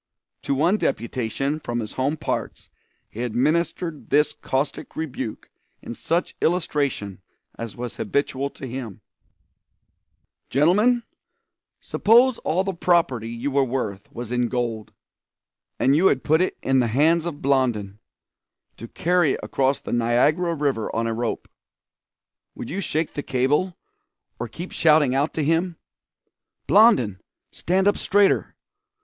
To one deputation from his home parts he administered this caustic rebuke in such illustration as was habitual to him: "Gentlemen, suppose all the property you were worth was in gold, and you had put it in the hands of Blondin, to carry across the Niagara River on a rope, would you shake the cable, or keep shouting out to him: "'Blondin, stand up straighter!